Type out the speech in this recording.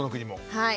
はい。